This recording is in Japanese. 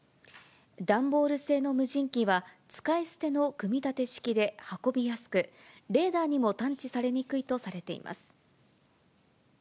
段ボール製の無人機は、使い捨ての組み立て式で運びやすく、レーダーにも探知されにくいとされています。